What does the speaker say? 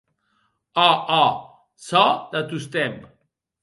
Òc, òc, çò de tostemp.